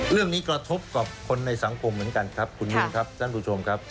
กระทบกับคนในสังคมเหมือนกันครับคุณมินครับท่านผู้ชมครับ